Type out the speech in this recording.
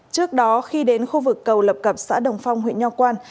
trước đó khi đến khu vực cầu lập cập xã đồng phong huyện nho quan